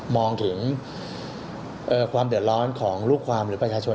มองถึงความเดือดร้อนของลูกความหรือประชาชน